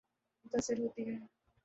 متاثر ہوتی ہے۔